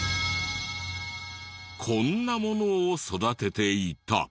こんなものを育てていた。